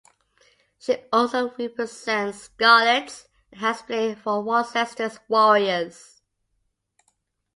She also represents Scarlets and has played for Worcester Warriors.